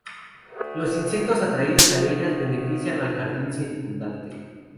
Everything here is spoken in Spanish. Los insectos atraídos a ellas benefician al jardín circundante.